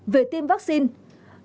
ba về tiêm vaccine